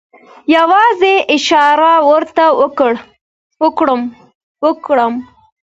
یوازې اشاره ورته وکړم.